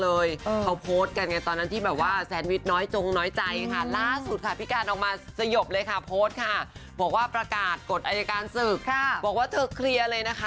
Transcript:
เอาเขามึงรักกันดีมึง